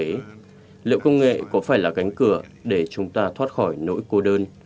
vậy liệu công nghệ có phải là cánh cửa để chúng ta thoát khỏi nỗi cô đơn